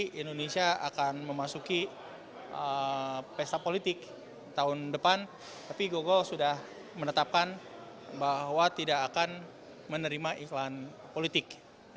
jadi indonesia akan memasuki pesta politik tahun depan tapi google sudah menetapkan bahwa tidak akan menerima iklan politik